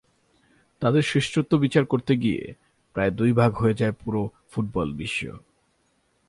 তাঁদের শ্রেষ্ঠত্ব বিচার করতে গিয়ে প্রায়ই দুই ভাগ হয়ে যায় পুরো ফুটবল বিশ্ব।